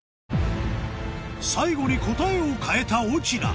最後に答えを変えた奥菜